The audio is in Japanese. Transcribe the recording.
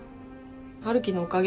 春樹のおかげ。